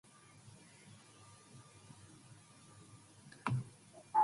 More often than not they are said with a twinkle in his eye.